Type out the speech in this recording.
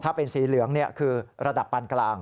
ถ้าเป็นสีเหลืองคือระดับปานกลาง